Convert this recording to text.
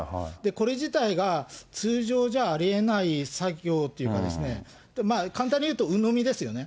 これ自体が通常じゃありえない作業というか、簡単に言うとうのみですよね。